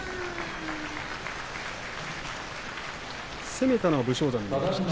攻めたのは武将山でした。